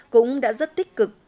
cũng đã rất tích cực